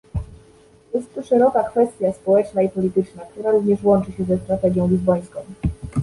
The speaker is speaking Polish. Jest to szeroka kwestia społeczna i polityczna, która również wiąże się ze strategią lizbońską